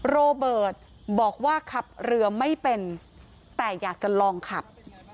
โรเบิร์ตบอกว่าขับเรือไม่เป็นแต่อยากจะลองขับ